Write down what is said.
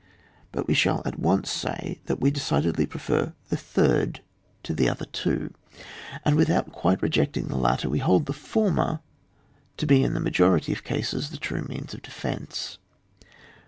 But we shall at once say that we de cidedly prefer the third to the other two, and without quite rejecting^ the latter, we hold the former to be in the n^pfority of cases the true means of defence.